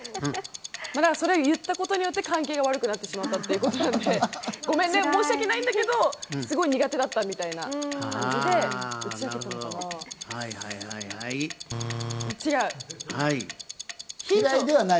またそれを言ったことによって関係が悪くなってしまったということで、ごめんね、申し訳ないんだけど、すごく苦手だったみたいな感じでおっしゃったのかな？